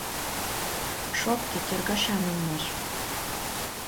Шопке кӧргашан улмаш.